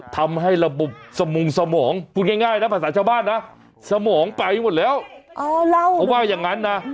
ทำให้ระบบสมงสมองพูดง่ายนะภาษาชาวบ้านนะสมองไปหมดแล้วเขาว่าอย่างนั้นนะ